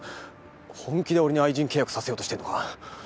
本気で俺に愛人契約させようとしてるのか？